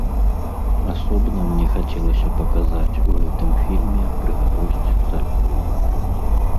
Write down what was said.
Асобна мне хацелася паказаць у гэтым фільме прыгажосць царквы.